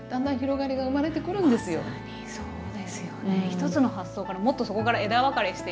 一つの発想からもっとそこから枝分かれしていく。